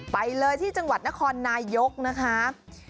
ไปเลยที่จังหวัดนครนายกนะคะ